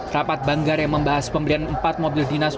rapat banggar yang membahas pemberian empat mobil dinas